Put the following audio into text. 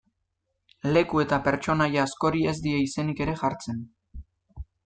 Leku eta pertsonaia askori ez die izenik ere jartzen.